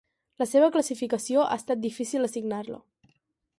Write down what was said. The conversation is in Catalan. La seva classificació ha estat difícil assignar-la.